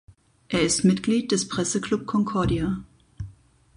Er ist Mitglied des Presseclub Concordia.